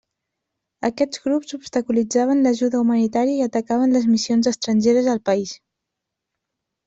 Aquests grups obstaculitzaven l'ajuda humanitària i atacaven les missions estrangeres al país.